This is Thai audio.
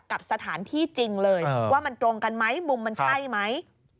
กับสถานที่จริงเลยว่ามันตรงกันไหมมุมมันใช่ไหม